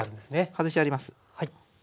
外してあります。